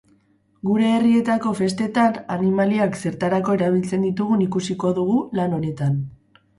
Gure herrietako festetan animaliak zertarako erabiltzen ditugun ikusiko dugu lan honetan.